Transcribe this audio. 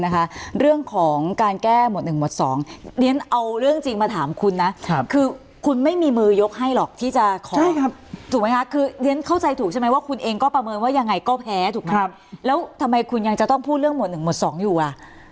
เพราะฉะนั้นเข้าใจถูกใช่ไหมว่าคุณเองก็ประเมินว่ายังไงก็แพ้ถูกไหมครับแล้วทำไมคุณยังจะต้องพูดเรื่องหมดหนึ่งหมดสองอยู่อ่ะ